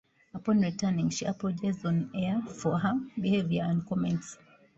Upon returning, she apologized on-air for her behavior and comments.